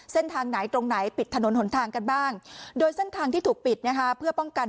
เส้นทางไหนตรงไหนปิดถนนหนทางกันบ้างโดยเส้นทางที่ถูกปิดนะคะเพื่อป้องกัน